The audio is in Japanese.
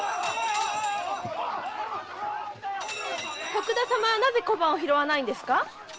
徳田様はなぜ小判を拾わないんですか？